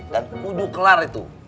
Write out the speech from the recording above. dan kudu kelar itu